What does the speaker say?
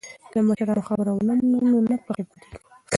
که د مشرانو خبره ومنو نو نه پښیمانیږو.